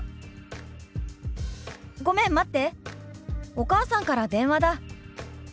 お母さんから電話だ」。